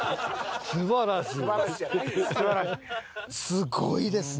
すごいですね。